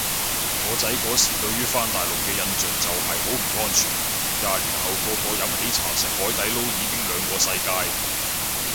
我仔嗰時對於返大陸嘅印象就係好唔安全，廿年後個個飲喜茶食海底撈已經兩個世界